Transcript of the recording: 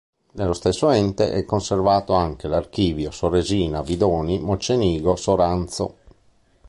Nello stesso Ente è conservato anche l'archivio Soresina-Vidoni-Mocenigo- Soranzo.